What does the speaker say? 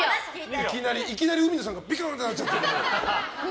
いきなり海野さんがビクンってなっちゃってるから。